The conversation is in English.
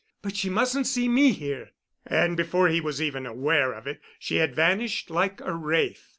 But she mustn't see me here." And, before he was even aware of it, she had vanished like a wraith.